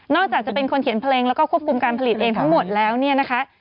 จะเป็นคนเขียนเพลงแล้วก็ควบคุมการผลิตเองทั้งหมดแล้วเนี่ยนะคะ